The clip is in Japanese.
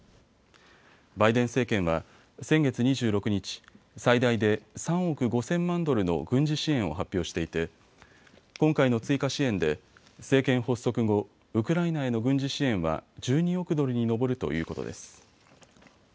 バイデン政権は先月２６日、最大で３億５０００万ドルの軍事支援を発表していて今回の追加支援で政権発足後、ウクライナへの軍事支援は１２億ドルに上るということです。